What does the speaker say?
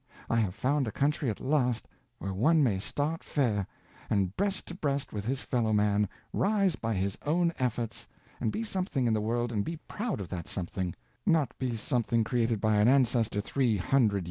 I have found a country at last where one may start fair, and breast to breast with his fellow man, rise by his own efforts, and be something in the world and be proud of that something; not be something created by an ancestor three hundred years ago."